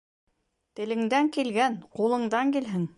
Телеңдән килгән ҡулыңдан килһен.